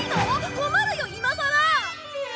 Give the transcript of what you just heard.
困るよ今さら！